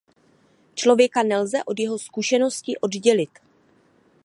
Člověka nelze od jeho zkušenosti oddělit.